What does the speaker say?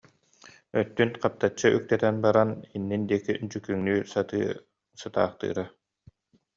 өттүн хаптаччы үктэтэн баран иннин диэки дьүккүҥ- нүү сатыы сытаахтыыра